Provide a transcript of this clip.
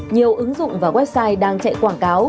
nhiều ứng dụng và website đang chạy quảng cáo